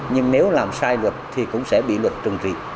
nhưng nếu làm sai luật thì cũng sẽ bị luật trừng trị